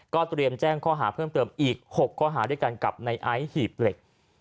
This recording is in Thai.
เตรียมแจ้งข้อหาเพิ่มเติมอีก๖ข้อหาด้วยกันกับในไอซ์หีบเหล็ก